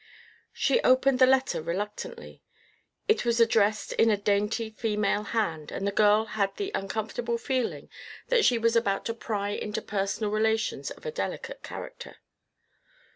She opened the letter reluctantly. It was addressed in a dainty, female hand and the girl had the uncomfortable feeling that she was about to pry into personal relations of a delicate character.